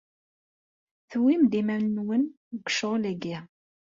Tewwimt-d iman-nwen deg ccɣel-agi.